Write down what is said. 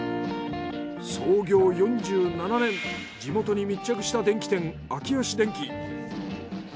創業４７年地元に密着した電器店あきよし電器。